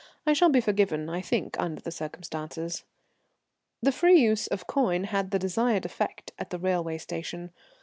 I shall be forgiven, I think, under the circumstances. The free use of coin had the desired effect at the railway station.